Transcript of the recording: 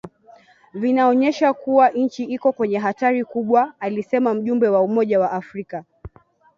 vinaonyesha kuwa nchi iko kwenye hatari kubwa alisema mjumbe wa Umoja wa Afrika